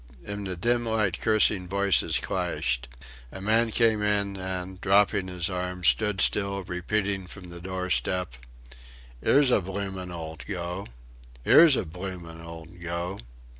In the dim light cursing voices clashed. A man came in and, dropping his arms, stood still, repeating from the doorstep, "Here's a bloomin' old go! Here's a bloomin' old go!"